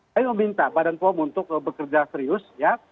saya meminta badan pom untuk bekerja serius